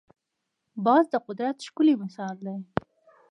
باز د قدرت ښکلی مثال دی